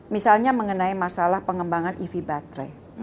misalnya mengenai masalah pengembangan ev baterai